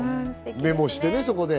メモしてね、そこで。